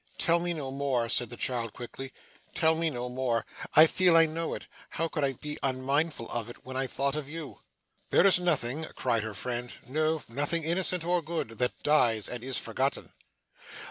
'Tell me no more,' said the child quickly. 'Tell me no more. I feel, I know it. How could I be unmindful of it, when I thought of you?' 'There is nothing,' cried her friend, 'no, nothing innocent or good, that dies, and is forgotten.